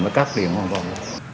nó cắt điện hoàn toàn